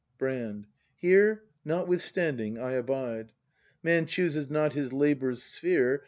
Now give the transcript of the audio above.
Brand. Here, notwithstanding, I abide. Man chooses not his labour's sphere.